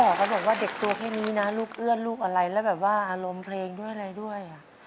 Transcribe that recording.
เขาบอกว่าเด็กตัวแค่นี้นะลูกเอื้อนลูกอะไรแล้วแบบว่าอารมณ์เพลงด้วยอะไรด้วย